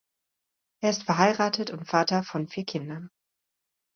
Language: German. Er ist verheiratet und Vater von vier Kindern.